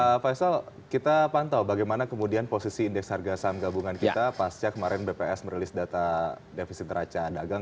pak faisal kita pantau bagaimana kemudian posisi indeks harga saham gabungan kita pasca kemarin bps merilis data defisit neraca dagang